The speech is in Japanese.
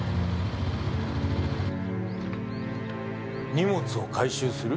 荷物を回収する？